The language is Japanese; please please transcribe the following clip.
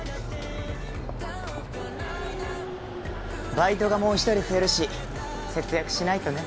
バイトがもう一人増えるし節約しないとね。